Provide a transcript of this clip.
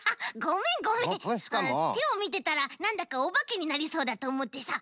てをみてたらなんだかおばけになりそうだとおもってさ。